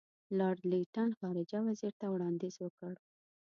لارډ لیټن خارجه وزیر ته وړاندیز وکړ.